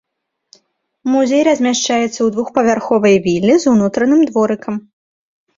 Музей размяшчаецца ў двухпавярховай віле з унутраным дворыкам.